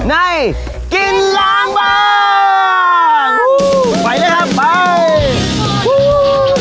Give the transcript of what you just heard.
ในกินล้างบ้างฮู้ไปเลยครับไปฮู้